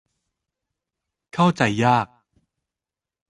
เข้าใจยาก